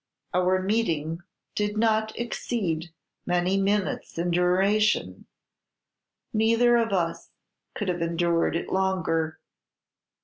Our meeting did not exceed many minutes in duration; neither of us could have endured it longer.